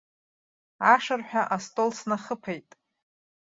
Ашырҳәа астол снахыԥеит.